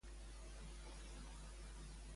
Qui més ha parlat sobre Junqueras?